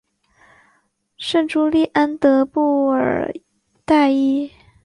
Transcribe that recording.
圣朱利安德布尔代伊。